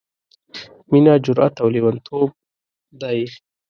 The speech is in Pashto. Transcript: — مينه جرات او لېوانتوب دی...